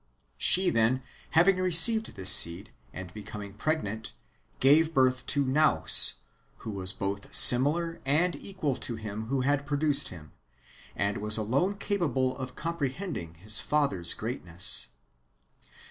She then, having received this seed, and becoming pregnant, gave birth to Nous, who was both similar and equal to him who had produced him, and was alone capable of comprehending his f ather s greatness.